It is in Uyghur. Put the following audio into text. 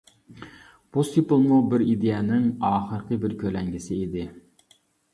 بۇ سېپىلمۇ بىر ئىدىيەنىڭ ئاخىرقى بىر كۆلەڭگىسى ئىدى.